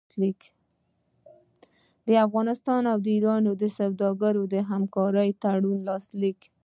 د افغانستان او ایران سوداګرو د همکارۍ تړون لاسلیک